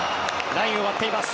ラインを割っています。